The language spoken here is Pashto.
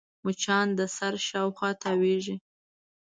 مچان د سر شاوخوا تاوېږي